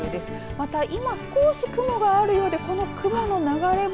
また、今少し雲があるようでこの雲の流れも。